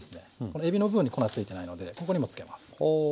このえびの部分に粉ついてないのでここにもつけます。